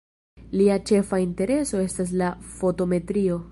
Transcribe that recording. Lia ĉefa intereso estas la fotometrio.